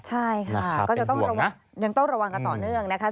ใช่ค่ะก็จะต้องยังต้องระวังกันต่อเนื่องนะคะ